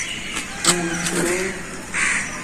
Nwi kleng.